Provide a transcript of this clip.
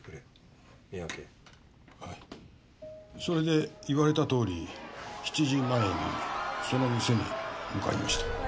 それで言われたとおり７時前にその店に向かいました。